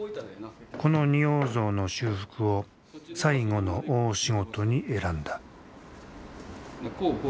この仁王像の修復を最後の大仕事に選んだ。